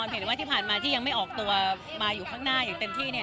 เห็นว่าที่ผ่านมาที่ยังไม่ออกตัวมาอยู่ข้างหน้าอย่างเต็มที่เนี่ย